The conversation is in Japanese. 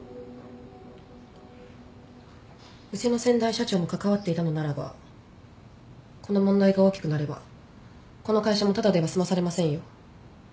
うちの先代社長も関わっていたのならばこの問題が大きくなればこの会社もただでは済まされませんよ。